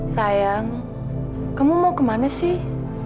sayang kamu mau kemana sih